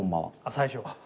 最初？